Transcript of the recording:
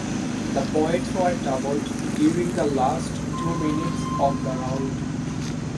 The points were doubled during the last two minutes of the round.